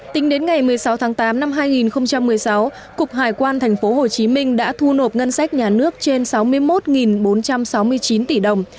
tính đến ngày một mươi sáu tháng tám năm hai nghìn một mươi sáu cục hải quan tp hcm đã thu nộp ngân sách nhà nước trên sáu mươi một bốn trăm sáu mươi chín tỷ đồng